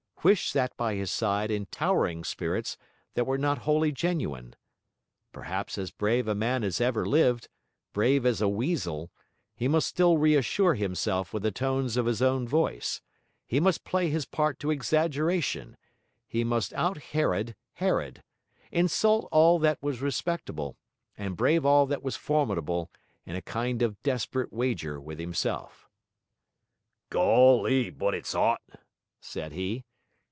Huish sat by his side in towering spirits that were not wholly genuine. Perhaps as brave a man as ever lived, brave as a weasel, he must still reassure himself with the tones of his own voice; he must play his part to exaggeration, he must out Herod Herod, insult all that was respectable, and brave all that was formidable, in a kind of desperate wager with himself. 'Golly, but it's 'ot!' said he.